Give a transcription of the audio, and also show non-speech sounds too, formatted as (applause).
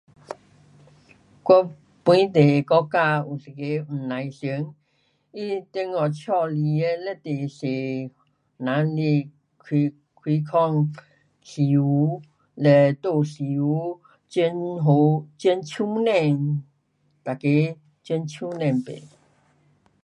(noise) 我本地的国家有一个黄乃裳，他中国带来的非常多人来开，开广诗巫，嘞住诗巫，种胡，种塑胶，每个种塑胶卖。